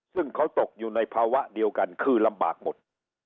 ซึ่งเขาตกอยู่ในภาวะเดียวกันคือลำบากหมด